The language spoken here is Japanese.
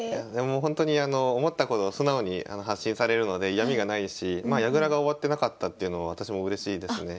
ほんとに思ったことを素直に発信されるので嫌みがないし矢倉が終わってなかったっていうのは私もうれしいですね。